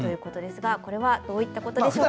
これはどういったことでしょう。